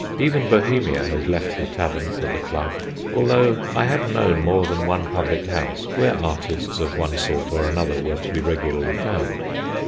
Even Bohemia has left the tavern for the club, although I have known more than one public house where artists of one sort or another were to be regularly found.